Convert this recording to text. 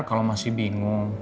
kalau masih bingung